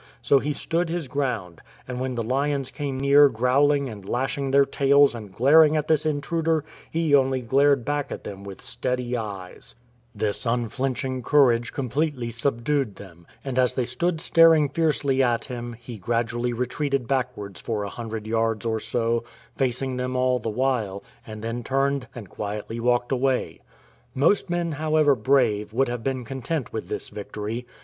So he stood his ground, and when the lions came near growling and lashing their tails and glaring at this in truder, he only glared back at them with steady eyes. A Visit from a Hippopotamus From a sketch by Bishop Hannington This unflinching courage completely subdued them, and as they stood staring fiercely at him, he gradually retreated backwards for a hundred yards or so, facing them all the while, and then turned and quietly walked away. Most men, however brave, would have been content with this victory.